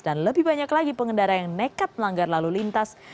dan lebih banyak lagi pengendara yang nekat melanggar lalu lintas